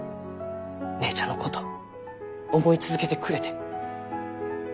姉ちゃんのこと思い続けてくれて。